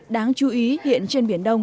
đáng chú ý hiện trên biển đông